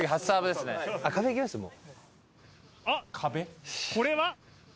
あっこれは？